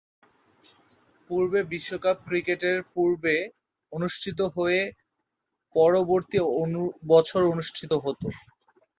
পূর্বে বিশ্বকাপ ক্রিকেটের পূর্বে অনুষ্ঠিত হয়ে পরবর্তী বছর অনুষ্ঠিত হতো।